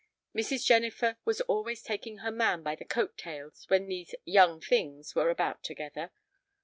Mrs. Jennifer was always taking her man by the coat tails when these "young things" were about together.